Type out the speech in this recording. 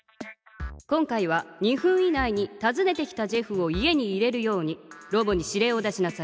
今回は２分以内にたずねてきたジェフを家に入れるようにロボに指令を出しなさい。